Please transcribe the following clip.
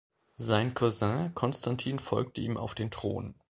Sein Cousin Konstantin folgte ihm auf den Thron.